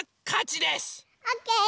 オッケー！